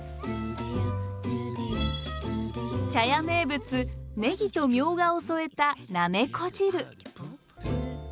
茶屋名物ねぎとみょうがを添えたなめこ汁。